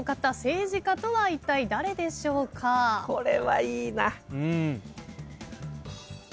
・これはいいな。